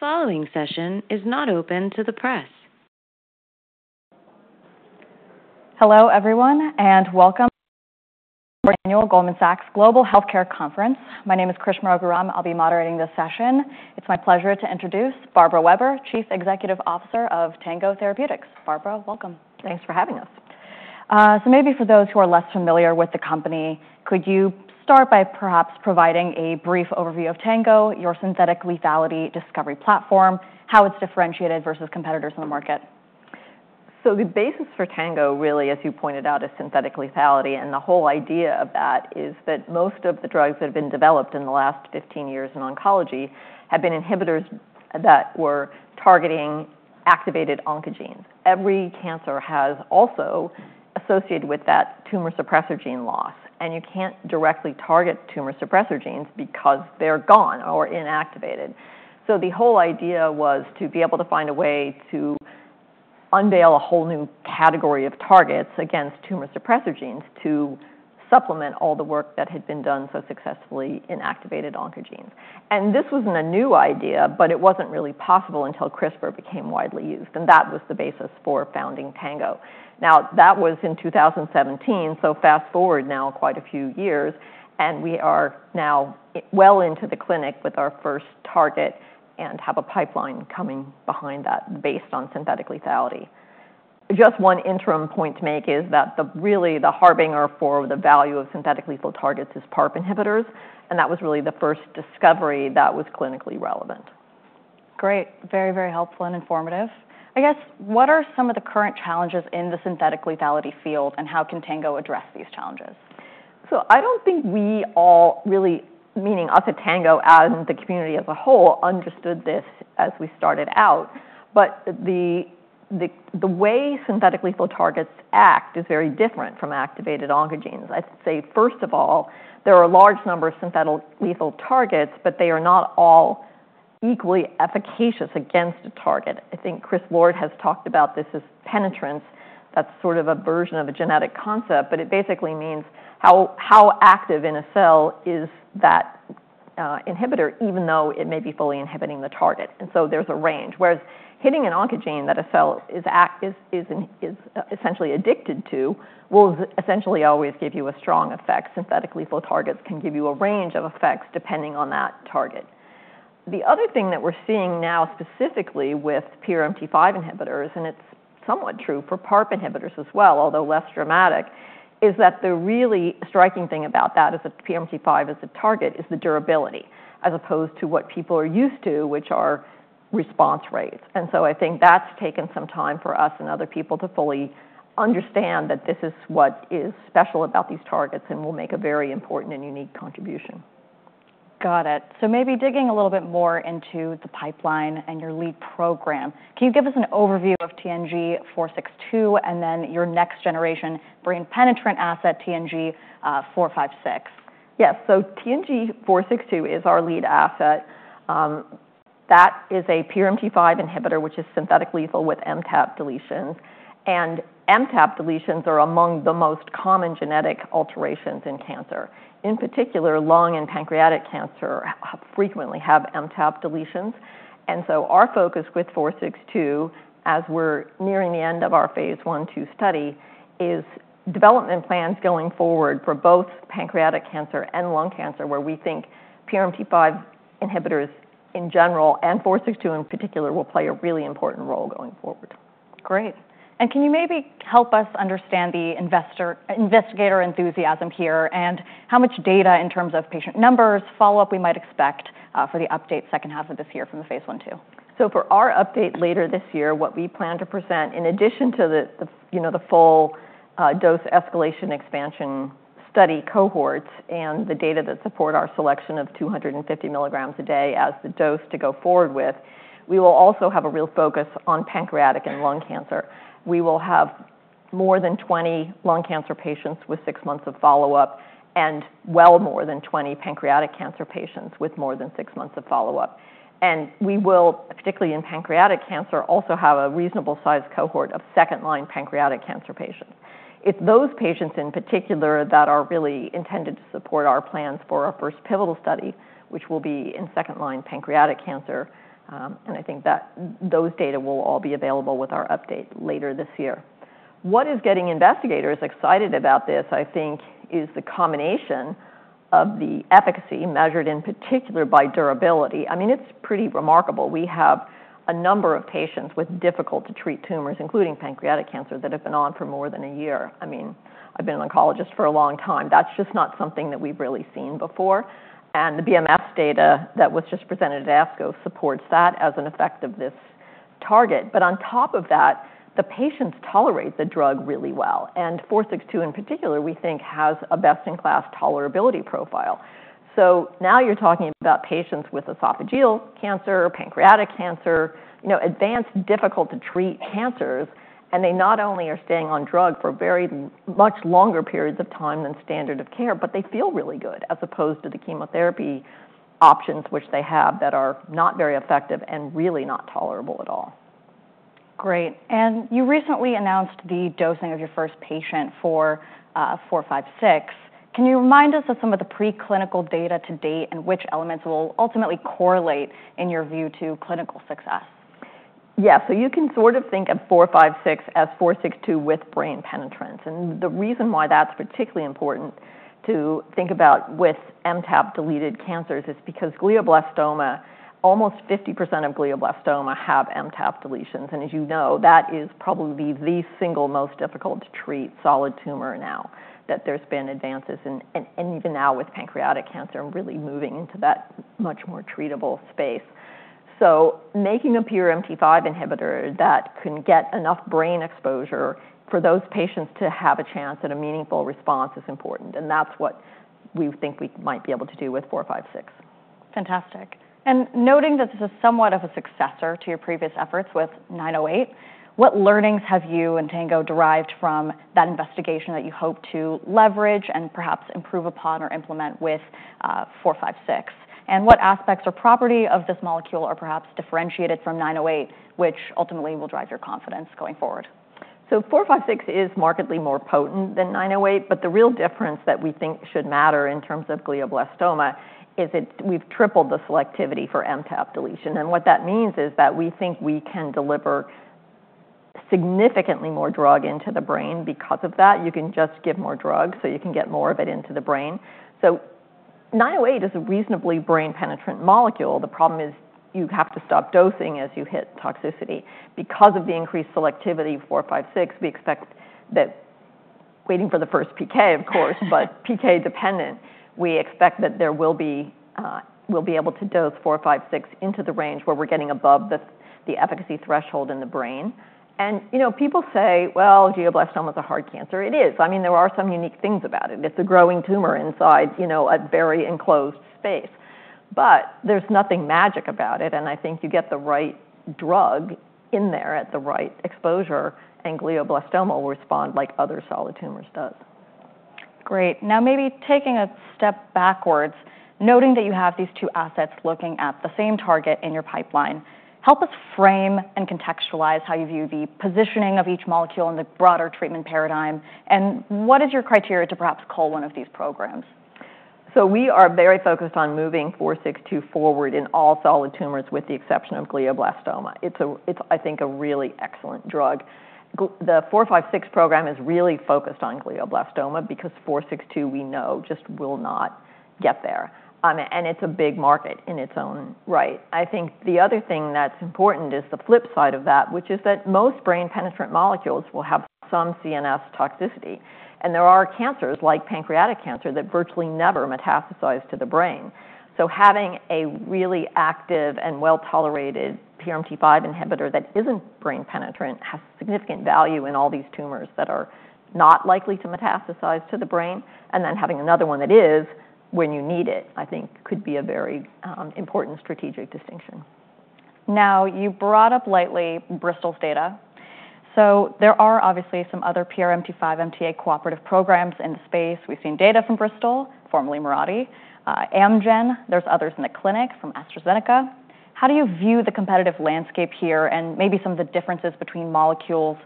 Following session is not open to the press. Hello everyone and welcome to the annual Goldman Sachs Global Healthcare Conference. My name is Krishna Raghuram. I'll be moderating this session. It's my pleasure to introduce Barbara Weber, Chief Executive Officer of Tango Therapeutics. Barbara, welcome. Thanks for having us. Maybe for those who are less familiar with the company, could you start by perhaps providing a brief overview of Tango, your synthetic lethality discovery platform, how it's differentiated versus competitors in the market? The basis for Tango really, as you pointed out, is synthetic lethality. The whole idea of that is that most of the drugs that have been developed in the last 15 years in oncology have been inhibitors that were targeting activated oncogenes. Every cancer has also associated with that tumor suppressor gene loss, and you can't directly target tumor suppressor genes because they're gone or inactivated. The whole idea was to be able to find a way to unveil a whole new category of targets against tumor suppressor genes to supplement all the work that had been done so successfully in activated oncogenes. This wasn't a new idea, but it wasn't really possible until CRISPR became widely used, and that was the basis for founding Tango. Now that was in 2017, so fast forward now quite a few years, and we are now well into the clinic with our first target and have a pipeline coming behind that based on synthetic lethality. Just one interim point to make is that really the harbinger for the value of synthetic lethal targets is PARP inhibitors, and that was really the first discovery that was clinically relevant. Great. Very, very helpful and informative. I guess, what are some of the current challenges in the synthetic lethality field and how can Tango address these challenges? I do not think we all, really meaning us at Tango and the community as a whole, understood this as we started out, but the way synthetic lethal targets act is very different from activated oncogenes. I'd say first of all, there are a large number of synthetic lethal targets, but they are not all equally efficacious against a target. I think Chris Lord has talked about this as penetrance. That is sort of a version of a genetic concept, but it basically means how active in a cell is that inhibitor, even though it may be fully inhibiting the target. There is a range, whereas hitting an oncogene that a cell is essentially addicted to will essentially always give you a strong effect. Synthetic lethal targets can give you a range of effects depending on that target. The other thing that we're seeing now specifically with PRMT5 inhibitors, and it's somewhat true for PARP inhibitors as well, although less dramatic, is that the really striking thing about that as a PRMT5 as a target is the durability as opposed to what people are used to, which are response rates. I think that's taken some time for us and other people to fully understand that this is what is special about these targets and will make a very important and unique contribution. Got it. So maybe digging a little bit more into the pipeline and your lead program, can you give us an overview of TNG462 and then your next generation brain penetrant asset, TNG456? Yes. TNG462 is our lead asset. That is a PRMT5 inhibitor, which is synthetic lethal with MTAP deletions. MTAP deletions are among the most common genetic alterations in cancer. In particular, lung and pancreatic cancer frequently have MTAP deletions. Our focus with 462, as we're nearing the end of our phase one two study, is development plans going forward for both pancreatic cancer and lung cancer, where we think PRMT5 inhibitors in general and 462 in particular will play a really important role going forward. Great. Can you maybe help us understand the investigator enthusiasm here and how much data in terms of patient numbers, follow-up we might expect for the update second half of this year from the phase one two? For our update later this year, what we plan to present, in addition to the full dose escalation expansion study cohorts and the data that support our selection of 250 milligrams a day as the dose to go forward with, we will also have a real focus on pancreatic and lung cancer. We will have more than 20 lung cancer patients with six months of follow-up and well more than 20 pancreatic cancer patients with more than six months of follow-up. We will, particularly in pancreatic cancer, also have a reasonable size cohort of second-line pancreatic cancer patients. It's those patients in particular that are really intended to support our plans for our first pivotal study, which will be in second-line pancreatic cancer. I think that those data will all be available with our update later this year. What is getting investigators excited about this, I think, is the combination of the efficacy measured in particular by durability. I mean, it's pretty remarkable. We have a number of patients with difficult-to-treat tumors, including pancreatic cancer, that have been on for more than a year. I mean, I've been an oncologist for a long time. That's just not something that we've really seen before. The Bristol Myers Squibb data that was just presented at ASCO supports that as an effect of this target. On top of that, the patients tolerate the drug really well. And 462 in particular, we think, has a best-in-class tolerability profile. Now you're talking about patients with esophageal cancer, pancreatic cancer, advanced difficult-to-treat cancers, and they not only are staying on drug for very much longer periods of time than standard of care, but they feel really good as opposed to the chemotherapy options, which they have that are not very effective and really not tolerable at all. Great. You recently announced the dosing of your first patient for 456. Can you remind us of some of the preclinical data to date and which elements will ultimately correlate in your view to clinical success? Yeah. You can sort of think of 456 as 462 with brain penetrance. The reason why that's particularly important to think about with MTAP-deleted cancers is because glioblastoma, almost 50% of glioblastoma have MTAP deletions. As you know, that is probably the single most difficult-to-treat solid tumor now that there's been advances in, and even now with pancreatic cancer and really moving into that much more treatable space. Making a PRMT5 inhibitor that can get enough brain exposure for those patients to have a chance at a meaningful response is important. That's what we think we might be able to do with 456. Fantastic. Noting that this is somewhat of a successor to your previous efforts with 908, what learnings have you and Tango derived from that investigation that you hope to leverage and perhaps improve upon or implement with 456? What aspects or property of this molecule are perhaps differentiated from 908, which ultimately will drive your confidence going forward? TNG456 is markedly more potent than TNG908, but the real difference that we think should matter in terms of glioblastoma is that we have tripled the selectivity for MTAP deletion. What that means is that we think we can deliver significantly more drug into the brain because of that. You can just give more drug so you can get more of it into the brain. TNG908 is a reasonably brain-penetrant molecule. The problem is you have to stop dosing as you hit toxicity. Because of the increased selectivity of TNG456, we expect that, waiting for the first PK of course, but PK-dependent, we expect that we will be able to dose TNG456 into the range where we are getting above the efficacy threshold in the brain. People say glioblastoma is a hard cancer. It is. I mean, there are some unique things about it. It's a growing tumor inside a very enclosed space, but there's nothing magic about it. I think you get the right drug in there at the right exposure, and glioblastoma will respond like other solid tumors does. Great. Now maybe taking a step backwards, noting that you have these two assets looking at the same target in your pipeline, help us frame and contextualize how you view the positioning of each molecule in the broader treatment paradigm and what is your criteria to perhaps call one of these programs? We are very focused on moving 462 forward in all solid tumors with the exception of glioblastoma. It's, I think, a really excellent drug. The 456 program is really focused on glioblastoma because 462, we know, just will not get there. It's a big market in its own right. I think the other thing that's important is the flip side of that, which is that most brain-penetrant molecules will have some CNS toxicity. There are cancers like pancreatic cancer that virtually never metastasize to the brain. Having a really active and well-tolerated PRMT5 inhibitor that isn't brain-penetrant has significant value in all these tumors that are not likely to metastasize to the brain. Then having another one that is when you need it, I think, could be a very important strategic distinction. Now you brought up lately Bristol's data. There are obviously some other PRMT5 MTA cooperative programs in the space. We've seen data from Bristol Myers Squibb, formerly Mirati, Amgen. There are others in the clinic from AstraZeneca. How do you view the competitive landscape here and maybe some of the differences between molecules?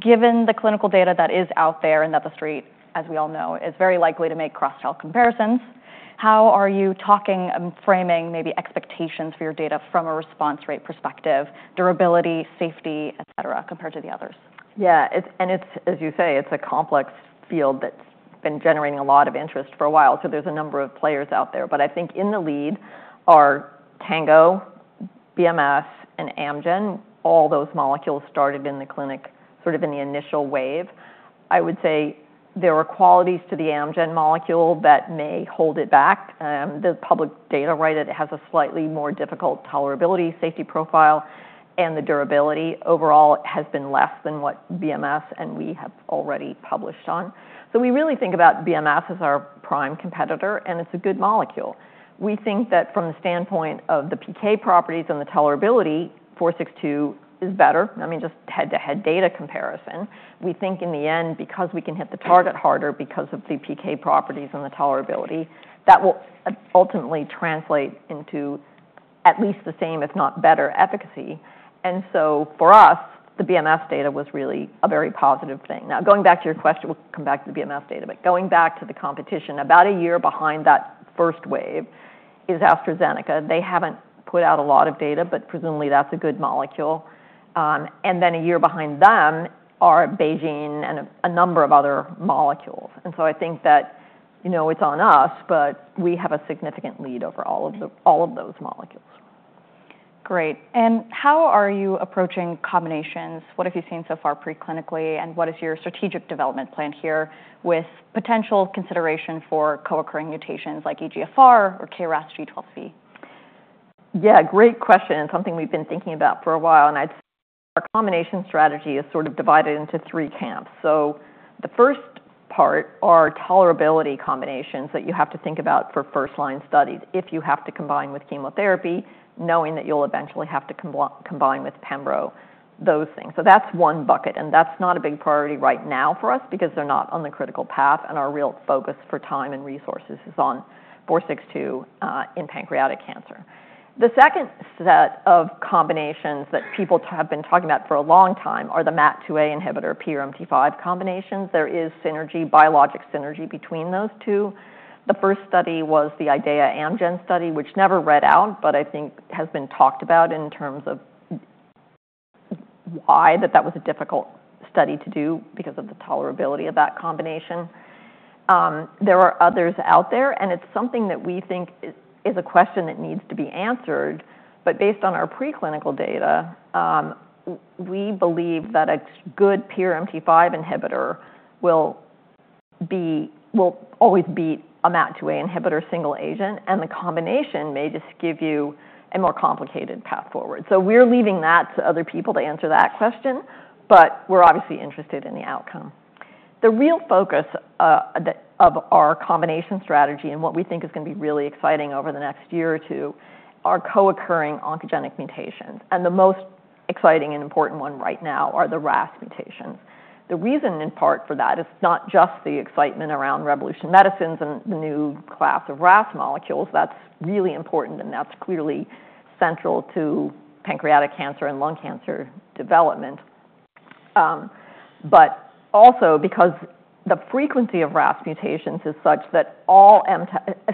Given the clinical data that is out there and that the street, as we all know, is very likely to make cross-health comparisons, how are you talking and framing maybe expectations for your data from a response rate perspective, durability, safety, et cetera, compared to the others? Yeah. And as you say, it's a complex field that's been generating a lot of interest for a while. There's a number of players out there. I think in the lead are Tango, Bristol Myers Squibb, and Amgen. All those molecules started in the clinic sort of in the initial wave. I would say there are qualities to the Amgen molecule that may hold it back. The public data, right, it has a slightly more difficult tolerability, safety profile, and the durability overall has been less than what Bristol Myers Squibb and we have already published on. We really think about Bristol Myers Squibb as our prime competitor, and it's a good molecule. We think that from the standpoint of the PK properties and the tolerability, 462 is better. I mean, just head-to-head data comparison. We think in the end, because we can hit the target harder because of the PK properties and the tolerability, that will ultimately translate into at least the same, if not better efficacy. For us, the BMS data was really a very positive thing. Now, going back to your question, we'll come back to the BMS data, but going back to the competition, about a year behind that first wave is AstraZeneca. They haven't put out a lot of data, but presumably that's a good molecule. Then a year behind them are BeiGene and a number of other molecules. I think that it's on us, but we have a significant lead over all of those molecules. Great. How are you approaching combinations? What have you seen so far preclinically, and what is your strategic development plan here with potential consideration for co-occurring mutations like EGFR or KRAS G12C? Yeah, great question. Something we've been thinking about for a while, and our combination strategy is sort of divided into three camps. The first part are tolerability combinations that you have to think about for first-line studies if you have to combine with chemotherapy, knowing that you'll eventually have to combine with Pembro, those things. That is one bucket, and that is not a big priority right now for us because they are not on the critical path, and our real focus for time and resources is on 462 in pancreatic cancer. The second set of combinations that people have been talking about for a long time are the MAT2A inhibitor PRMT5 combinations. There is synergy, biologic synergy between those two. The first study was the IDEAYA Amgen study, which never read out, but I think has been talked about in terms of why that was a difficult study to do because of the tolerability of that combination. There are others out there, and it's something that we think is a question that needs to be answered. Based on our preclinical data, we believe that a good PRMT5 inhibitor will always beat a MAT2A inhibitor single agent, and the combination may just give you a more complicated path forward. We're leaving that to other people to answer that question, but we're obviously interested in the outcome. The real focus of our combination strategy and what we think is going to be really exciting over the next year or two are co-occurring oncogenic mutations. The most exciting and important one right now are the RAS mutations. The reason in part for that, it's not just the excitement around Revolution Medicines and the new class of RAS molecules. That's really important, and that's clearly central to pancreatic cancer and lung cancer development. Also, because the frequency of RAS mutations is such that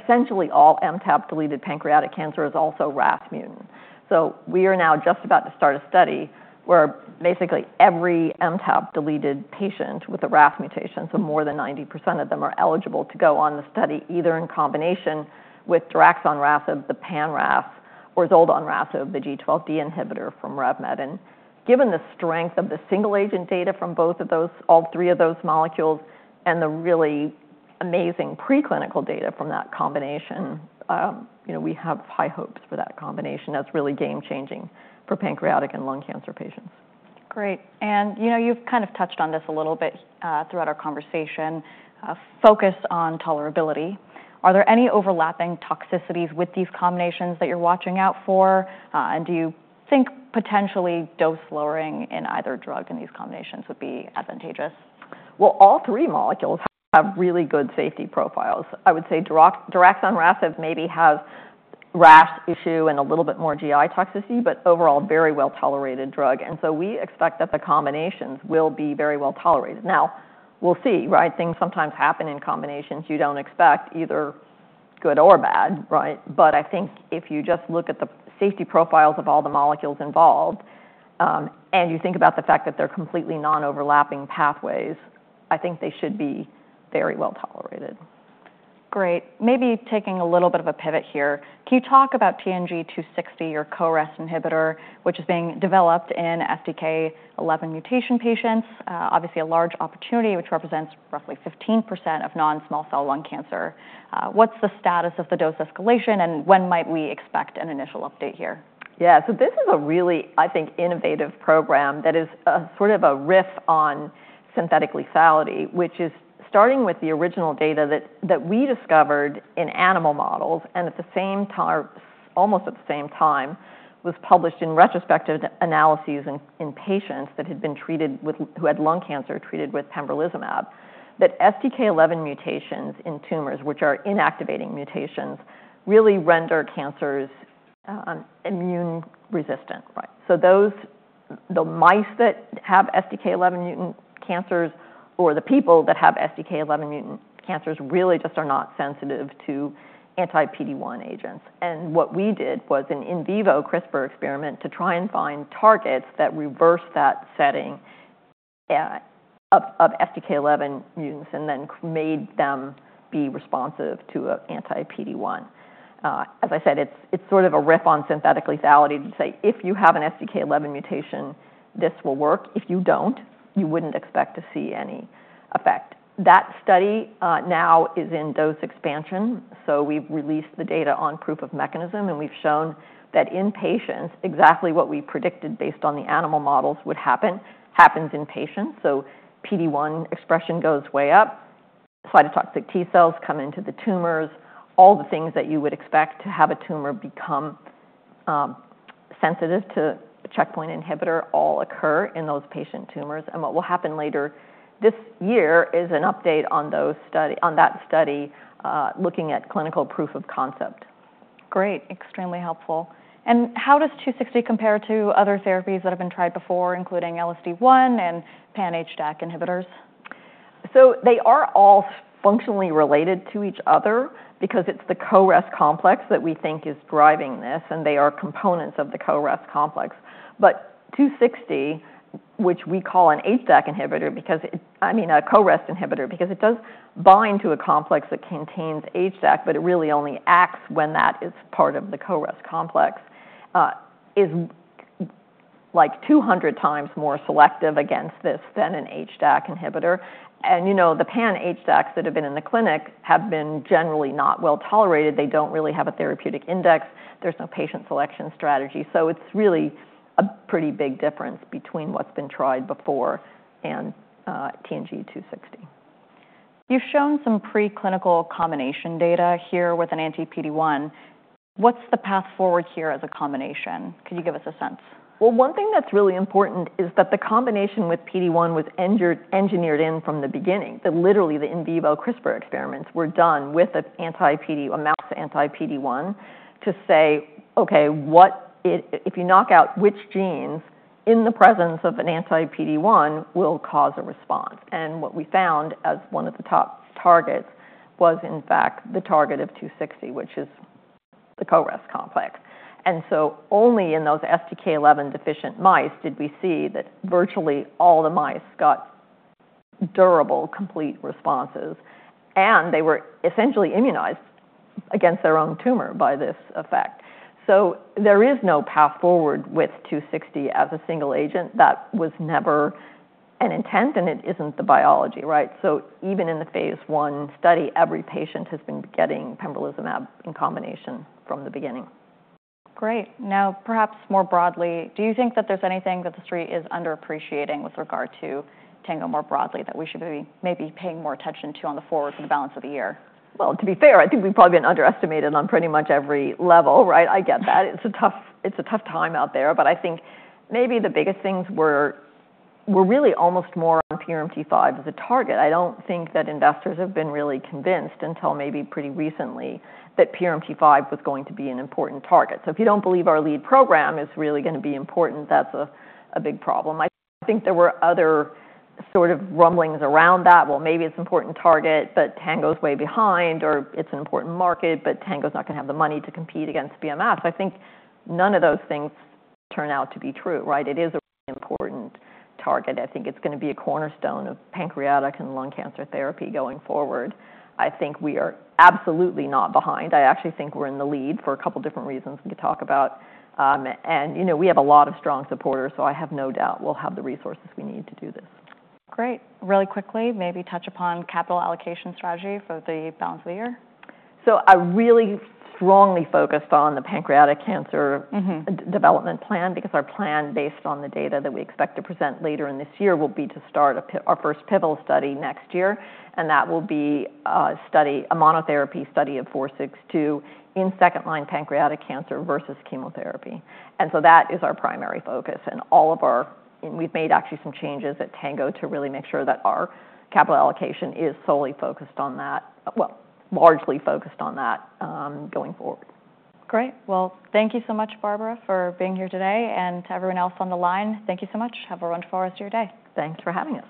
essentially all MTAP-deleted pancreatic cancer is also RAS mutant. We are now just about to start a study where basically every MTAP-deleted patient with a RAS mutation, so more than 90% of them, are eligible to go on the study either in combination with daraxonrasib, the pan-RAS, or zoldonrasib, the G12D inhibitor from Revolution Medicines. Given the strength of the single agent data from all three of those molecules, and the really amazing preclinical data from that combination, we have high hopes for that combination. That's really game-changing for pancreatic and lung cancer patients. Great. You've kind of touched on this a little bit throughout our conversation, focus on tolerability. Are there any overlapping toxicities with these combinations that you're watching out for? Do you think potentially dose lowering in either drug in these combinations would be advantageous? All three molecules have really good safety profiles. I would say daraxonrasib maybe has a RAS issue and a little bit more GI toxicity, but overall very well-tolerated drug. We expect that the combinations will be very well tolerated. Now, we'll see, right? Things sometimes happen in combinations you don't expect, either good or bad, right? I think if you just look at the safety profiles of all the molecules involved and you think about the fact that they're completely non-overlapping pathways, I think they should be very well tolerated. Great. Maybe taking a little bit of a pivot here, can you talk about TNG260, your CoREST inhibitor, which is being developed in STK11 mutation patients? Obviously, a large opportunity, which represents roughly 15% of non-small cell lung cancer. What's the status of the dose escalation, and when might we expect an initial update here? Yeah, so this is a really, I think, innovative program that is sort of a riff on synthetic lethality, which is starting with the original data that we discovered in animal models and at the same time, almost at the same time, was published in retrospective analyses in patients that had been treated with, who had lung cancer treated with pembrolizumab, that STK11 mutations in tumors, which are inactivating mutations, really render cancers immune resistant. Those mice that have STK11 mutant cancers or the people that have STK11 mutant cancers really just are not sensitive to anti-PD-1 agents. What we did was an in vivo CRISPR experiment to try and find targets that reverse that setting of STK11 mutants and then made them be responsive to anti-PD-1. As I said, it's sort of a riff on synthetic lethality to say, if you have an STK11 mutation, this will work. If you don't, you wouldn't expect to see any effect. That study now is in dose expansion. We have released the data on proof of mechanism, and we have shown that in patients, exactly what we predicted based on the animal models would happen, happens in patients. PD-1 expression goes way up, cytotoxic T cells come into the tumors. All the things that you would expect to have a tumor become sensitive to a checkpoint inhibitor all occur in those patient tumors. What will happen later this year is an update on that study looking at clinical proof of concept. Great. Extremely helpful. How does 260 compare to other therapies that have been tried before, including LSD1 and pan-HDAC inhibitors? They are all functionally related to each other because it's the CoREST complex that we think is driving this, and they are components of the CoREST complex. But 260, which we call a CoREST inhibitor because it does bind to a complex that contains HDAC, but it really only acts when that is part of the CoREST complex, is like 200 times more selective against this than an HDAC inhibitor. You know the pan-HDACs that have been in the clinic have been generally not well tolerated. They do not really have a therapeutic index. There is no patient selection strategy. It is really a pretty big difference between what has been tried before and TNG260. You've shown some preclinical combination data here with an anti-PD-1. What's the path forward here as a combination? Could you give us a sense? One thing that's really important is that the combination with PD-1 was engineered in from the beginning. Literally, the in vivo CRISPR experiments were done with a mouse anti-PD-1 to say, okay, if you knock out which genes in the presence of an anti-PD-1 will cause a response. What we found as one of the top targets was, in fact, the target of 260, which is the CoREST complex. Only in those STK11 deficient mice did we see that virtually all the mice got durable, complete responses, and they were essentially immunized against their own tumor by this effect. There is no path forward with 260 as a single agent. That was never an intent, and it isn't the biology, right? Even in the phase I study, every patient has been getting pembrolizumab in combination from the beginning. Great. Now, perhaps more broadly, do you think that there's anything that the street is underappreciating with regard to Tango more broadly that we should be maybe paying more attention to on the forward balance of the year? To be fair, I think we've probably been underestimated on pretty much every level, right? I get that. It's a tough time out there, but I think maybe the biggest things were really almost more on PRMT5 as a target. I don't think that investors have been really convinced until maybe pretty recently that PRMT5 was going to be an important target. If you don't believe our lead program is really going to be important, that's a big problem. I think there were other sort of rumblings around that. Maybe it's an important target, but Tango's way behind, or it's an important market, but Tango's not going to have the money to compete against Bristol Myers Squibb. I think none of those things turn out to be true, right? It is an important target. I think it's going to be a cornerstone of pancreatic and lung cancer therapy going forward. I think we are absolutely not behind. I actually think we're in the lead for a couple of different reasons we could talk about. You know we have a lot of strong supporters, so I have no doubt we'll have the resources we need to do this. Great. Really quickly, maybe touch upon capital allocation strategy for the balance of the year? I really strongly focused on the pancreatic cancer development plan because our plan based on the data that we expect to present later in this year will be to start our first pivotal study next year. That will be a monotherapy study of 462 in second-line pancreatic cancer versus chemotherapy. That is our primary focus. We have made actually some changes at Tango to really make sure that our capital allocation is solely focused on that, well, largely focused on that going forward. Great. Thank you so much, Barbara, for being here today. And to everyone else on the line, thank you so much. Have a wonderful rest of your day. Thanks for having us.